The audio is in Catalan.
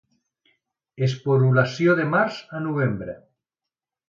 Esporulació de març a novembre.